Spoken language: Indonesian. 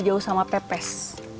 jauh sama pepes